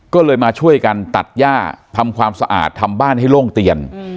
ก็เลยมาช่วยกันตัดย่าทำความสะอาดทำบ้านให้โล่งเตียน